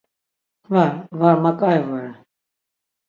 Var, var ma ǩai vore.